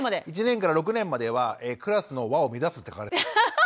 １年から６年までは「クラスの和を乱す」って書かれてたんですよ。